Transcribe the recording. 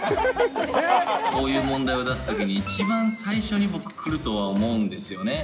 こういう問題を出すときに、一番最初に僕、来るとは思うんですよね。